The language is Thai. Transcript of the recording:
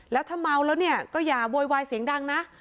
แล้วถ้าเมาแล้วเนี่ยก็อย่าโวยวายเสียงดังนะ